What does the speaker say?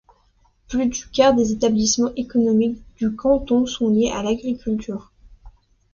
Plus du quart des établissements économiques du canton sont liés à l'agriculture.